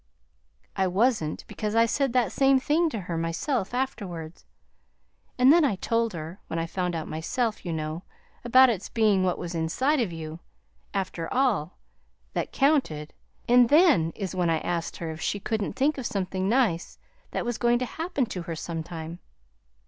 "I wasn't, because I said that same thing to her myself afterwards. And then I told her when I found out myself, you know about its being what was inside of you, after all, that counted; and then is when I asked her if she couldn't think of something nice that was going to happen to her sometime."